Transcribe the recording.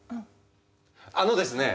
あのですね